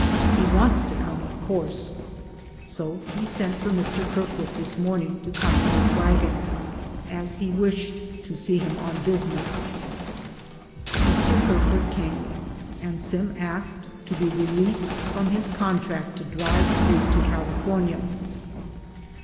He wants to come, of course; so he sent for Mr. Ker DAYS ON THE ROAD. 175 foot this morning to come to his wagon, as he wished to see him on business. Mr. Kerfoot came, and Sim asked to be released from his contract to drive through to CaHfornia.